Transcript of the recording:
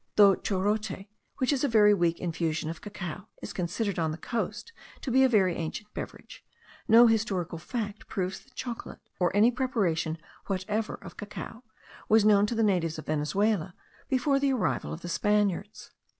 Though chorote, which is a very weak infusion of cacao, is considered on the coast to be a very ancient beverage, no historical fact proves that chocolate, or any preparation whatever of cacao, was known to the natives of Venezuela before the arrival of the Spaniards.